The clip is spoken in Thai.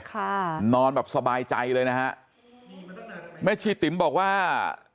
ค่ะนอนแบบสบายใจเลยนะฮะแม่ชีติ๋มบอกว่า